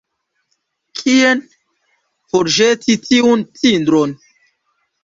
Kien forĵeti tiun cindron?